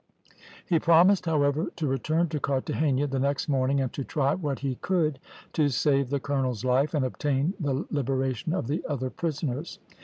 He promised, however, to return to Carthagena the next morning, and to try what he could do to save the colonel's life, and obtain the liberation of the other prisoners.